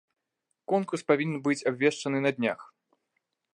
Конкурс павінен быць абвешчаны на днях.